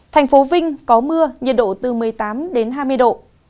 thành phố vinh có mưa nhiệt độ từ một mươi tám đến hai mươi độ